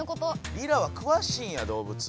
リラはくわしいんやどうぶつ。